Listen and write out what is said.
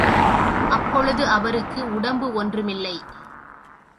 அப்பொழுது அவருக்கு உடம்பு ஒன்றுமில்லை.